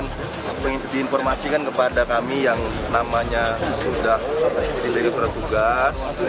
ini diinfo info info diinformasikan kepada kami yang namanya sudah diberi peratugas